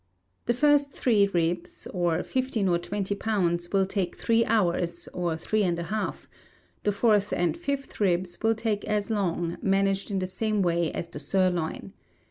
The first three ribs, of fifteen or twenty pounds, will take three hours, or three and a half; the fourth and fifth ribs will take as long, managed in the same way as the sirloin.